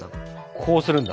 こうするんだ。